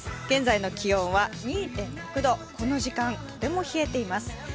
現在の気温は２．６度この時間、とても冷えています。